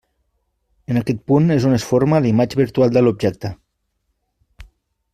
En aquest punt és on es forma la imatge virtual de l'objecte.